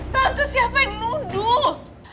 tante siapa yang nuduh